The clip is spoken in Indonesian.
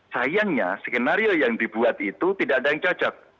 sayangnya skenario yang dibuat itu tidak ada yang cocok